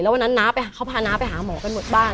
วันนั้นน้าเขาพาน้าไปหาหมอกันหมดบ้าน